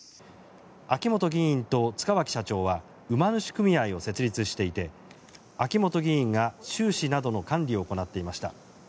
秋本議員と塚脇社長は馬主組合を設立していて秋本議員が収支などの管理を行っていました。